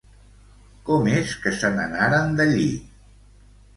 Com és que se n'anaren d'allí?